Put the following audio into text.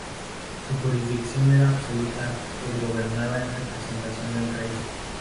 Su jurisdicción era absoluta, pues gobernaban en representación del rey.